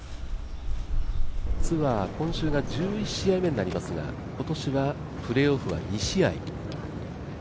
ツアー今週が１１試合目になりますが、今年はプレーオフは２試合。